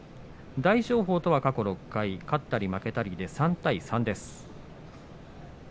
大翔鵬とは過去６回、勝ったり負けたりで３対３です。